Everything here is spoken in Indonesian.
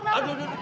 aduh aduh aduh